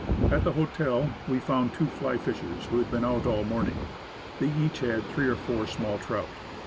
At the hotel we found two fly fishers who had been out all the morning. They each had three or four small trout.